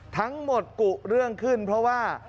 ทั้งหมดกุเรื่องขึ้นเพราะว่า